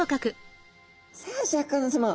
さあシャーク香音さま。